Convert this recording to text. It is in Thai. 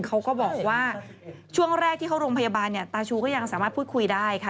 เขาก็บอกว่าช่วงแรกที่เขาโรงพยาบาลเนี่ยตาชูก็ยังสามารถพูดคุยได้ค่ะ